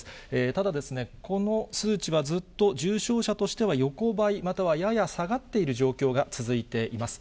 ただ、この数値は、ずっと重症者としては横ばい、またはやや下がっている状況が続いています。